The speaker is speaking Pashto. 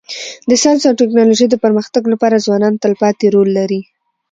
د ساینس او ټکنالوژی د پرمختګ لپاره ځوانان تلپاتي رول لري.